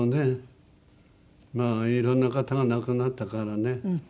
まあいろんな方が亡くなったからね。